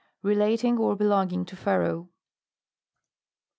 Relating or be longing to Pharaoh.